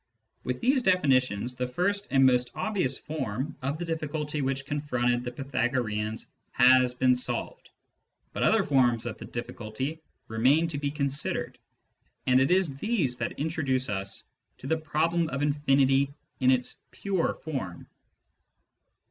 With these definitions, the first and most obvious form of the difl[iculty which con fronted the Pythagoreans has been solved ; but other forms of the difliculty remain to be considered, and it is these that introduce us to the problem of infinity in its pure form.